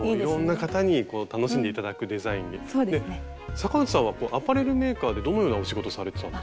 坂内さんはアパレルメーカーでどのようなお仕事されてたんですか？